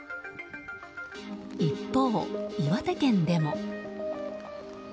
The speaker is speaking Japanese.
一方、岩手県でも。